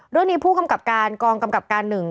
เรื่องนี้ผู้กำกับการกองกำกับการ๑